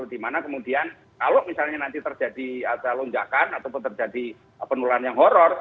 dimana kemudian kalau misalnya nanti terjadi ada lonjakan ataupun terjadi penularan yang horror